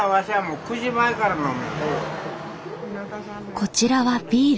こちらはビール。